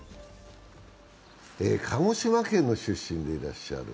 鹿児島県の出身でいらっしゃる。